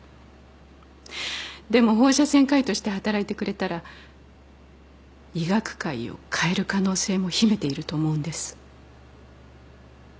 でも放射線科医として働いてくれたら医学界を変える可能性も秘めていると思うんです。